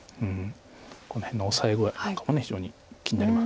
この辺のオサエ具合なんかも非常に気になります。